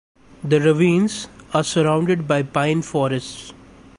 The ravines are surrounded by pine forests.